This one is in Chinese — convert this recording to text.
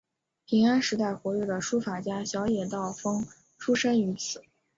平安时代活跃的书法家小野道风出身于此。